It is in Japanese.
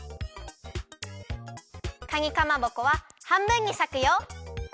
かにかまぼこははんぶんにさくよ。